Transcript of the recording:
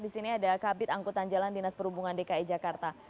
di sini ada kabit angkutan jalan dinas perhubungan dki jakarta